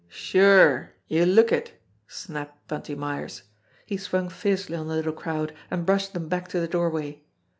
"Sure ! You look it !" snapped Bunty Myers. He swung fiercely on the little crowd and brushed them back to the doorway.